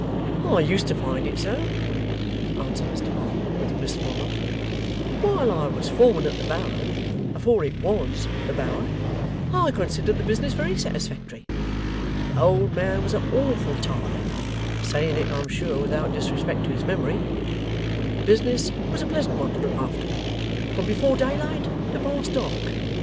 'I used to find it so,' answered Mr Boffin, with a wistful look. 'While I was foreman at the Bower afore it WAS the Bower I considered the business very satisfactory. The old man was a awful Tartar (saying it, I'm sure, without disrespect to his memory) but the business was a pleasant one to look after, from before daylight to past dark.